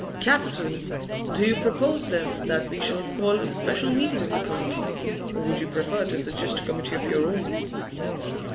'Capital! Do you propose, then, that we shall call a special meeting of the Committee? Or would you prefer to suggest a committee of your own?